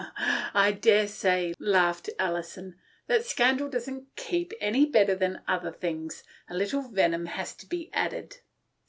" I daresay," laughed Alison, " that scandal doesn't i keep ' any better than other things. A little venom has to be added."